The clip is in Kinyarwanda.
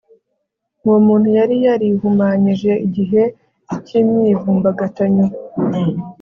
uwo muntu yari yarihumanyije igihe cy'imyivumbagatanyo